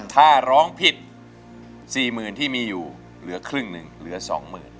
ถ้าร้องผิด๔๐๐๐ที่มีอยู่เหลือครึ่งหนึ่งเหลือ๒๐๐๐